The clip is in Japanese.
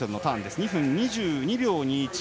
２分２２秒２１。